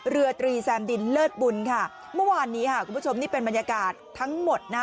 เรือตรีแซมดินเลิศบุญค่ะเมื่อวานนี้ค่ะคุณผู้ชมนี่เป็นบรรยากาศทั้งหมดนะฮะ